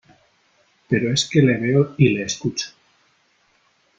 pero es que le veo y le escucho